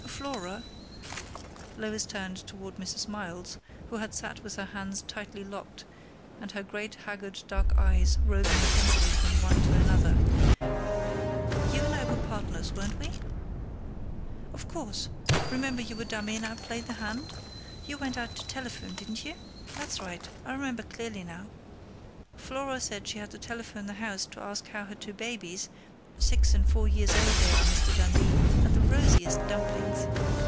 "Flora " Lois turned toward Mrs. Miles, who had sat with her hands tightly locked and her great haggard dark eyes roving tensely from one to another "you and I were partners, weren't we?... Of course! Remember you were dummy and I played the hand? You went out to telephone, didn't you?... That's right! I remember clearly now! Flora said she had to telephone the house to ask how her two babies six and four years old, they are, Mr. Dundee, and the rosiest dumplings